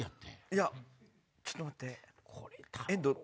いやちょっと待って。